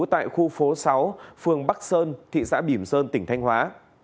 tại khu phố sáu phường bắc sơn thị xã bìm sơn tỉnh thanh hóa